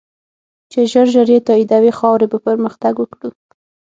چی ژر ژر یی تایدوی ، خاوری به پرمختګ وکړو